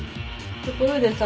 ところでさ